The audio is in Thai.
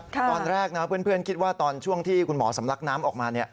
ตอนแรกนะเพื่อนคิดว่าตอนช่วงที่คุณหมอสำลักน้ำออกมา